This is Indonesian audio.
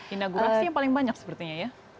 inaugurasi yang paling banyak sepertinya ya